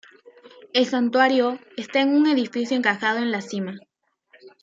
El Santuario está en un edificio encajado en la cima.